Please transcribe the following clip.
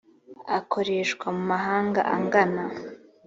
akoreshwa mu mahanga angana